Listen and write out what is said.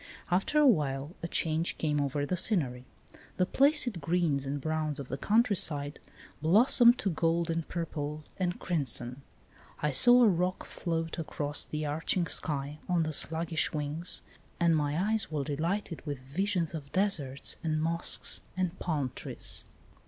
After a while a change came over the scenery. The placid greens and browns of the countryside blos somed to gold and purple and crimson. I saw a roc float across the arching sky on sluggish wings, and my eyes were delighted with visions of deserts and mosques and palm trees.